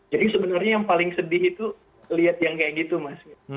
jadi sebenarnya yang paling sedih itu lihat yang kayak gitu mas